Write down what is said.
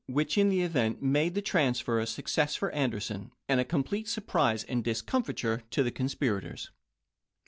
which in the event made the transfer a success for Anderson, and a complete surprise and discom fiture to the conspirators.